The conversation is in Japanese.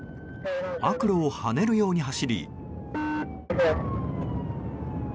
悪路を跳ねるように走り。